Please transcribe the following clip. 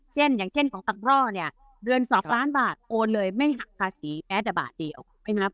อย่างเช่นของตักร่อเนี่ยเดือน๒ล้านบาทโอนเลยไม่หักภาษีแม้แต่บาทเดียวใช่ไหมครับ